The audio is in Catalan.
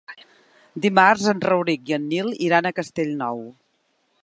Dimarts en Rauric i en Nil iran a Castellnou.